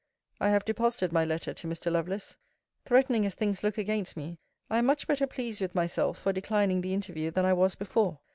I have deposited my letter to Mr. Lovelace. Threatening as things look against me, I am much better pleased with myself for declining the interview than I was before.